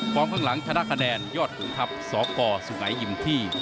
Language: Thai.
ความผ่านหลังชนะคะแดนยอดขุมทัพสกสุงัยยิมที่